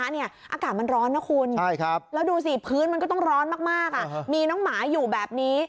อากาศมันร้อนนะคุณแล้วดูสิพื้นมันก็ต้องร้อนมากมีน้องหมาอยู่แบบนี้